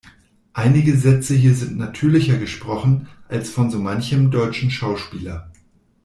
Einige Sätze hier sind natürlicher gesprochen als von so manchem deutschen Schauspieler.